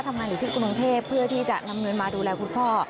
ทำงานอยู่ที่กรุงเทพเพื่อที่จะนำเงินมาดูแลคุณพ่อ